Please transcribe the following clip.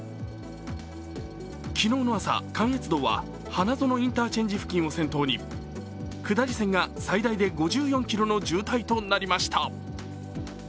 昨日の朝、関越道は花園インターチェンジ付近を先頭に下り線が最大で５４ｋｍの渋滞となりました。